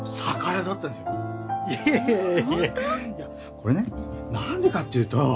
これねなんでかっていうと。